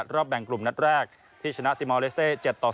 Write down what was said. รอบแบ่งกลุ่มนัดแรกที่ชนะติมอลเลสเต้๗ต่อ๒